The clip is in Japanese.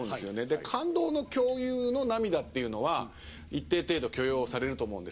で感動の共有の涙っていうのは一定程度許容されると思うんですよ。